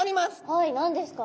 はい何ですか？